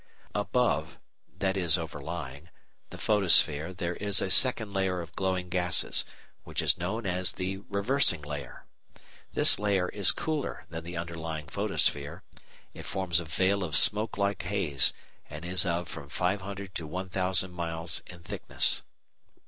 Above that is, overlying the photosphere there is a second layer of glowing gases, which is known as the reversing layer. This layer is cooler than the underlying photosphere; it forms a veil of smoke like haze and is of from 500 to 1,000 miles in thickness.